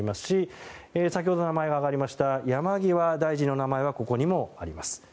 先ほど名前が挙がりました山際大臣の名前はここにもあります。